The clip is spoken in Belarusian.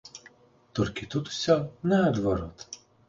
Толькі тут усё наадварот.